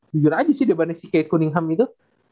jujur aja sih dibanding si kate cunningham itu